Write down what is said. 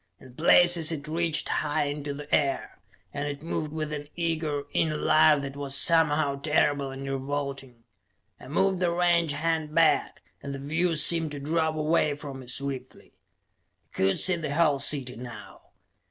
In places it reached high into the air, and it moved with an eager, inner life that was somehow terrible and revolting. I moved the range hand back, and the view seemed to drop away from me swiftly. I could see the whole city now.